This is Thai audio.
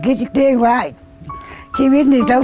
ก็ไม่พอกว่าไม่มีช่องข้างห้อง